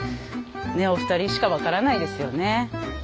ねえお二人しか分からないですよね。